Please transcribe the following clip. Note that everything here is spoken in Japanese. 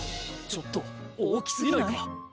ちょっと大きすぎない？